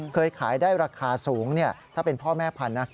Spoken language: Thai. เคยขายได้ราคาสูงถ้าเป็นพ่อแม่พันธุ์นะ